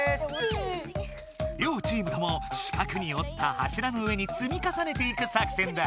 両チームとも四角におった柱の上につみかさねていく作戦だ。